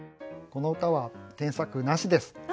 この歌は添削なしです。